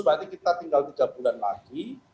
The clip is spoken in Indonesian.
berarti kita tinggal tiga bulan lagi